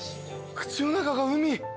口の中が海。